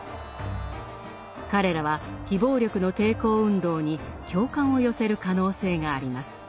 彼らは非暴力の抵抗運動に共感を寄せる可能性があります。